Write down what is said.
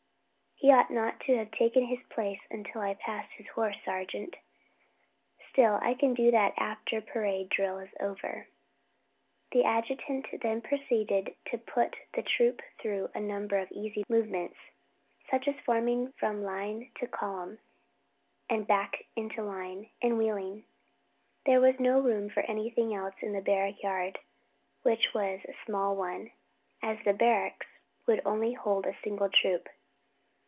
"He ought not to have taken his place until I had passed his horse, sergeant. Still I can do that after parade drill is over." The adjutant then proceeded to put the troop through a number of easy movements, such as forming from line to column, and back into line, and wheeling. There was no room for anything else in the barrack yard, which was a small one, as the barracks would only hold a single troop.